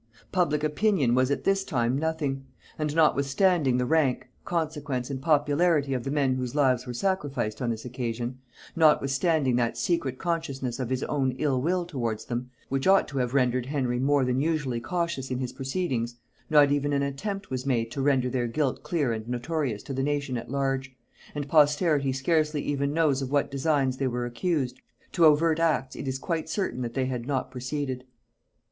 Public opinion was at this time nothing; and notwithstanding the rank, consequence and popularity of the men whose lives were sacrificed on this occasion; notwithstanding that secret consciousness of his own ill will towards them, which ought to have rendered Henry more than usually cautious in his proceedings, not even an attempt was made to render their guilt clear and notorious to the nation at large; and posterity scarcely even knows of what designs they were accused; to overt acts it is quite certain that they had not proceeded.